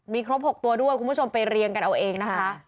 มีครบ๖ตัวด้วยคุณผู้ชมไปเรียงกันเอาเองนะคะ